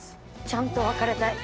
ちゃんと別れたい。